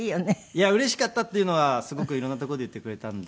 いやうれしかったっていうのはすごく色んな所で言ってくれたんで。